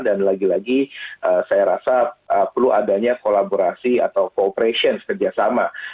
dan lagi lagi saya rasa perlu adanya kolaborasi atau cooperation kerjasama